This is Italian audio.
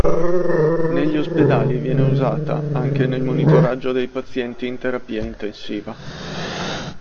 Negli ospedali viene usata anche nel monitoraggio dei pazienti in terapia intensiva.